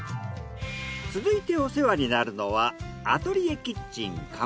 続いてお世話になるのは。